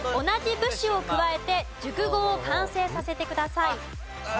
同じ部首を加えて熟語を完成させてください。